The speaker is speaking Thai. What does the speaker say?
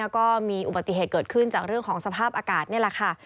ก็มีอุบัติเหตุเกิดขึ้นจากเรื่องของสภาพอากาศนี่แหละค่ะ